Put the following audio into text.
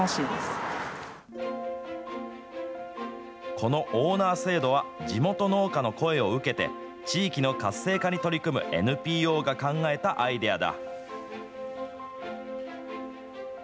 このオーナー制度は、地元農家の声を受けて、地域の活性化に取り組むＮＰＯが考えたアイデアだ。